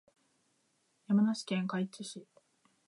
山梨県甲斐市